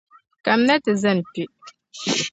Kamina nti zani kpe.